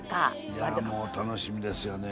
いやもう楽しみですよね。